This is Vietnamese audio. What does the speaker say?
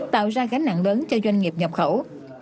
tạo ra gánh nặng lớn cho doanh nghiệp nhập khẩu